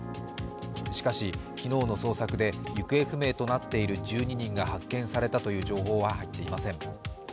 しかし、昨日の捜索で行方不明となっている１２人が発見されたという情報は入っていません。